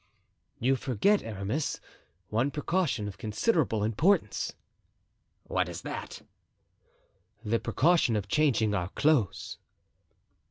"You forget, Aramis, one precaution of considerable importance." "What is that?" "The precaution of changing our clothes."